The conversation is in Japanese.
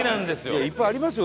いやいっぱいありますよ